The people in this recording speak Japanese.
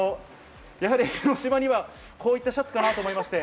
やはり江の島にはこういったシャツかなと思いまして。